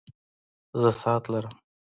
زه ساعت لرم